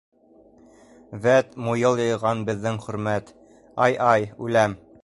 — Вәт, муйыл йыйған беҙҙең Хөрмәт, ай-ай, үләм!..